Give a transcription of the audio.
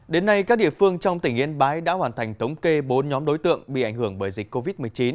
đến nay các địa phương trong tỉnh yên bái đã hoàn thành tống kê bốn nhóm đối tượng bị ảnh hưởng bởi dịch covid một mươi chín